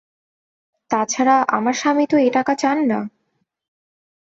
তা ছাড়া আমার স্বামী তো এ টাকা চান না।